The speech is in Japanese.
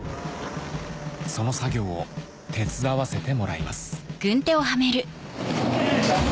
その作業を手伝わせてもらいますよいしょ！